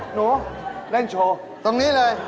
หนูเล่นโชว์ตรงนี้เลย